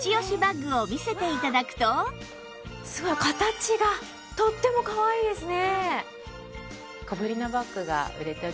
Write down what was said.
早速すごい形がとってもかわいいですね。